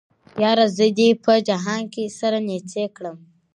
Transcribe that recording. ياره زه دې په جهان کې سره نيڅۍ کړم